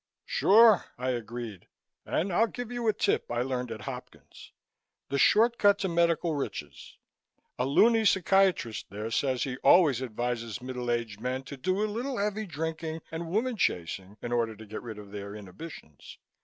"Sure," I agreed, "and I'll give you a tip I learned at Hopkins. The short cut to medical riches. A loony psychiatrist there says he always advises middle aged men to do a little heavy drinking and woman chasing, in order to get rid of their inhibitions.